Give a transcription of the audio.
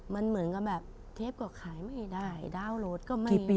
มันเหมือนกับแบบเทปก็ขายไม่ได้ดาวน์โหลดก็ไม่เป็น